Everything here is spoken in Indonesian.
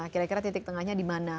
kira kira titik tengahnya di mana